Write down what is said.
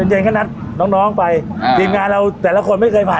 เย็นก็นัดน้องไปทีมงานเราแต่ละคนไม่เคยผ่าน